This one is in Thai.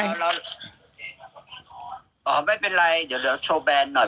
อ๋อไม่เป็นไรเดี๋ยวโชว์แบนหน่อย